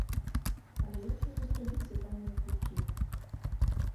Але як яго зрабіць за танныя квіткі?